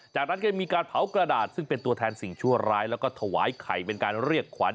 จากนั้นก็มีการเผากระดาษซึ่งเป็นตัวแทนสิ่งชั่วร้ายแล้วก็ถวายไข่เป็นการเรียกขวัญ